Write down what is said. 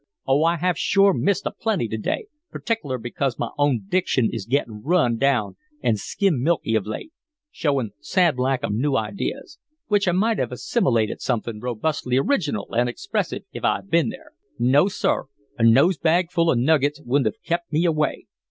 Oh, I have sure missed a plenty to day, partic'lar because my own diction is gettin' run down an' skim milky of late, showin' sad lack of new idees. Which I might have assim'lated somethin' robustly original an' expressive if I'd been here. No, sir; a nose bag full of nuggets wouldn't have kept me away."